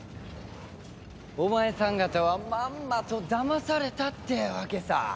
お前さん方はまんまとだまされたってわけさ。